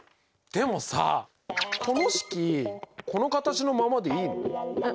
でもさこの式この形のままでいいの？え？